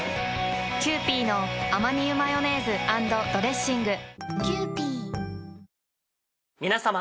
キユーピーのアマニ油マヨネーズ＆ドレッシング皆さま。